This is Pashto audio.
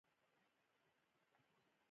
مدیران د نوو بازارونو او محصولاتو مسوول دي.